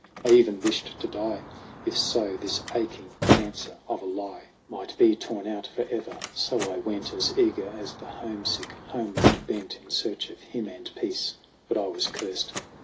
I even wished to die, If so this aching cancer of a lie JAMIE 125 Might be torn out forever. So I went, As eager as the homesick homeward bent, In search of him and peace. But I was cursed.